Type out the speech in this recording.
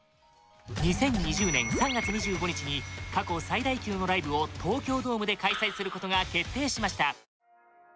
２０２０年３月２５日に過去最大級のライブを東京ドームで開催することが決定しました